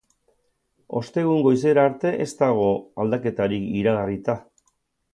Ostegun goizera arte ez dago aldaketarik iragarrita.